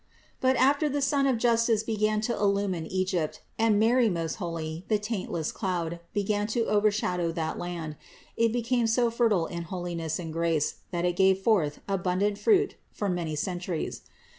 But after the Sun of justice began to illumine Egypt, and Mary most holy, the taintless cloud, began to overshadow that land, it became so fertile in holiness 568 THE INCARNATION 569 and grace that it gave forth abundant fruit for many centuries.